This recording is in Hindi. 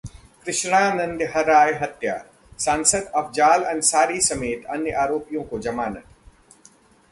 कृष्णानंद राय हत्या: सांसद अफजाल अंसारी समेत अन्य आरोपियों को जमानत